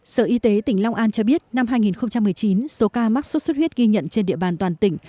sở y tế tỉnh long an cho biết năm hai nghìn một mươi chín số ca mắc sốt xuất huyết ghi nhận trên địa bàn toàn tỉnh